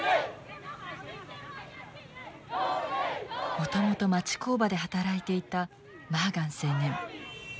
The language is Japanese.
もともと町工場で働いていたマーガン青年。